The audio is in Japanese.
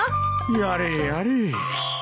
やれやれ。